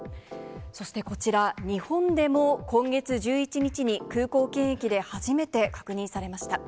そして、こちら、日本でも今月１１日に空港検疫で初めて確認されました。